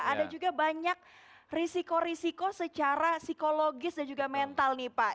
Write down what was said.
ada juga banyak risiko risiko secara psikologis dan juga mental nih pak